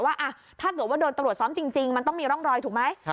ว่าถ้าเกิดว่าโดนตำรวจซ้อมจริงมันต้องมีร่องรอยถูกไหม